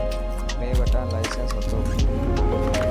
مين وٽا لائيسن هتو.